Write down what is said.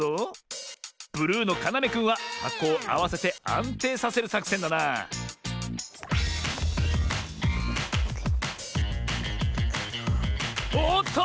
ブルーのかなめくんははこをあわせてあんていさせるさくせんだなおおっと！